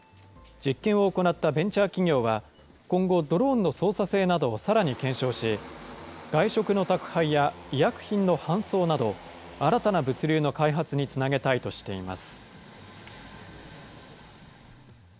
実験を行ったベンチャー企業は、今後、ドローンの操作性などをさらに検証し、外食の宅配や医薬品の搬送など、新たな物流の開発につなげたいとしています。